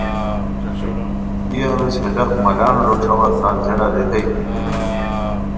ای انوس ہے ڈاق مالان روݯھاوا تان ژانہ ریتائے کی